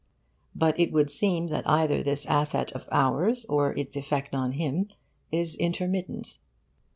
But it would seem that either this asset of ours or its effect on him is intermittent.